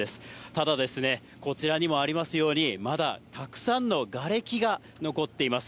ただ、こちらにもありますように、まだたくさんのがれきが残っています。